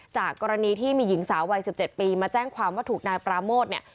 จากกรณีที่มีหญิงสาววัย๑๗ปีมาแจ้งความว่าถูกนายปราโมทเนี่ย